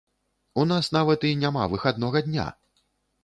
У нас нават і няма выхаднога дня.